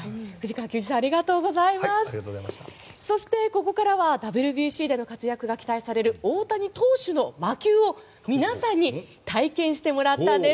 そして、ここからはＷＢＣでの活躍が期待される大谷投手の魔球を皆さんに体験してもらったんです。